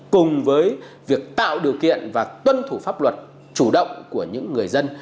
cùng với việc tạo điều kiện và tuân thủ pháp luật chủ động của những người dân